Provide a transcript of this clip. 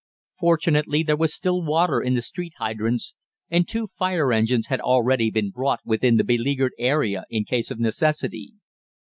Fortunately, there was still water in the street hydrants, and two fire engines had already been brought within the beleaguered area in case of necessity.